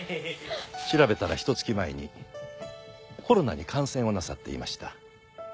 調べたらひと月前にコロナに感染をなさっていました。